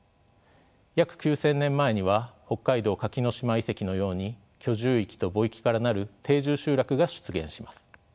約９，０００年前には北海道垣ノ島遺跡のように居住域と墓域からなる定住集落が出現します。